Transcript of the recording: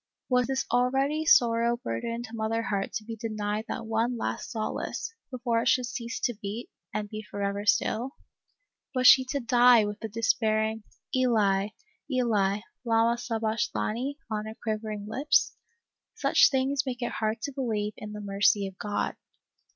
Was this already sorrow burdened mother heart to be denied that one last solace, before it should cease to beat, and be forever still ? Was she to die with the despairing, " Eli, 4 ALICE ; OR, THE WAGES OF SIN. Eli , lama sabachthani !" gn her quivering lips? Such things make it hard to believe in the mercy of God.